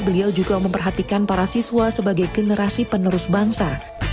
beliau juga memperhatikan para siswa sebagai generasi penerus bangsa